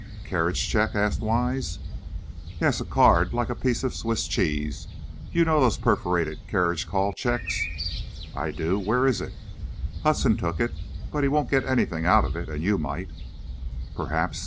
"Carriage check?" asked Wise. "Yes, a card like a piece of Swiss cheese, you know those perforated carriage call checks?" "I do. Where is it?" "Hudson took it. But he won't get anything out of it, and you might." "Perhaps.